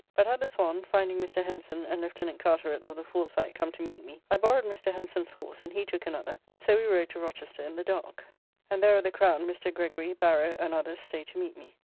but at the Swan, finding Mr. Hemson and Lieutenant Carteret of the Foresight come to meet me, I borrowed Mr. Hemson's horse, and he took another, and so we rode to Rochester in the dark, and there at the Crown Mr. Gregory, Barrow, and others staid to meet me.